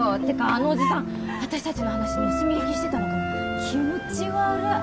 てかあのおじさん私たちの話盗み聞きしてたのかな。